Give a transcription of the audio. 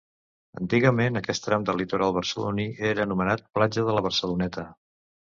Antigament aquest tram del litoral barceloní era anomenat platja de la Barceloneta.